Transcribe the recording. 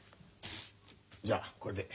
じゃあこれで。